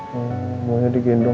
yaudah nyenderan aja gini udah